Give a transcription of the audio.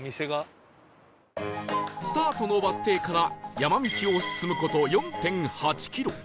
スタートのバス停から山道を進む事 ４．８ キロ